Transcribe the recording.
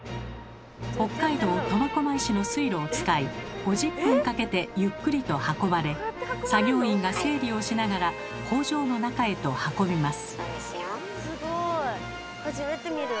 北海道苫小牧市の水路を使い５０分かけてゆっくりと運ばれ作業員が整理をしながら工場の中へと運びます。